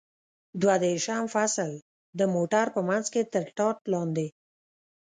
دوه دېرشم فصل: د موټر په منځ کې تر ټاټ لاندې.